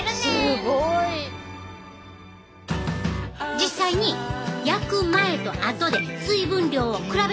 実際に焼く前と後で水分量を比べてみたで。